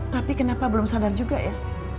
tapi kenapa belum sadar juga ya